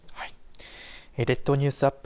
列島ニュースアップ